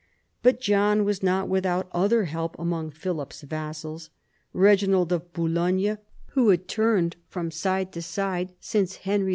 But John was not without other help among Philip's vassals. Eeginald of Boulogne, who had turned from side to side since Henry II.